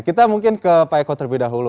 kita mungkin ke pak eko terlebih dahulu